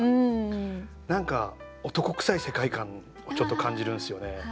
何か男くさい世界観をちょっと感じるんですよね。